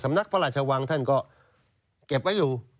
นักพระราชวังท่านก็เก็บไว้อยู่